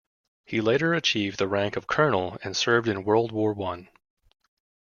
He later achieved the rank of colonel and served in World War One.